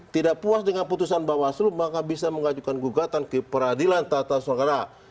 tidak puas dengan putusan bawaslu maka bisa mengajukan gugatan ke peradilan tata suara